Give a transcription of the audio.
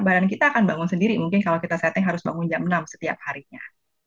barang kita akan bangun sendiri mungkin kalau kita setting harus bangun jam enam setiap harinya